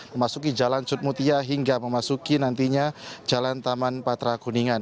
memasuki jalan sutmutia hingga memasuki nantinya jalan taman patra kuningan